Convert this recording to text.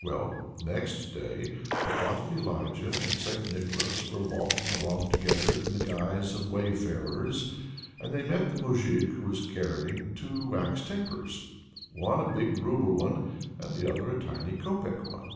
Well, next day the Prophet Elijah and St. Nicholas were walking along together in the guise of wayfarers, and they met the Moujik, who was carrying two wax tapers one, a big rouble one, and the other, a tiny copeck one.